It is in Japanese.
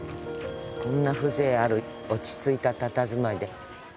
こんな風情ある落ち着いたたたずまいで。